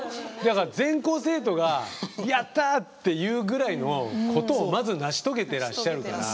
全校生徒が「やった！」っていうぐらいのことをまず成し遂げてらっしゃるから。